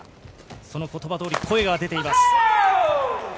その言葉通り、声が出ています。